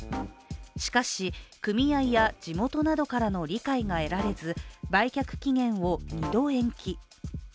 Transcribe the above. しかし、組合や地元などからの理解が得られず、売却期限を２度延期。